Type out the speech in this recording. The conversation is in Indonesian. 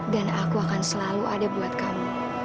dan aku akan selalu ada buat kamu